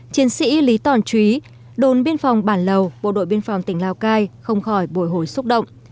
chiến sĩ lý tòn chúy đồn biên phòng bản lầu bộ đội biên phòng tỉnh lào cai không khỏi bồi hồi xúc động